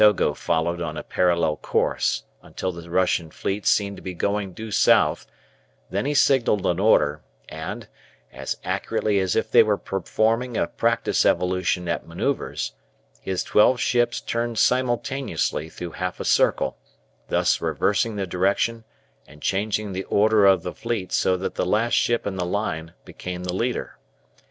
Togo followed on a parallel course until the Russian fleet seemed to be going due south, then he signalled an order, and, as accurately as if they were performing a practice evolution at manoeuvres, his twelve ships turned simultaneously through half a circle, thus reversing the direction and changing the order of the fleet so that the last ship in the line became the leader.